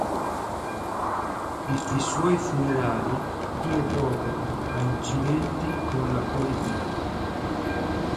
I suoi funerali diedero luogo a incidenti con la polizia.